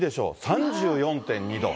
３４．２度。